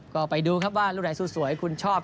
ก็ไปดูครับว่าลูกไหนสู้สวยคุณชอบ